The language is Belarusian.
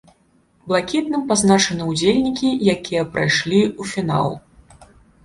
Блакітным пазначаны удзельнікі, якія прайшлі ў фінал.